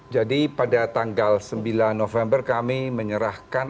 jadi pada tanggal sembilan november kami menyerahkan